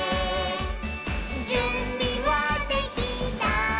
「じゅんびはできた？